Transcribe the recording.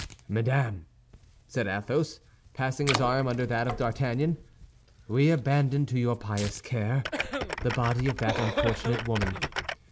"Madame," said Athos, passing his arm under that of D'Artagnan, "we abandon to your pious care the body of that unfortunate woman.